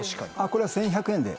これは１１００円で。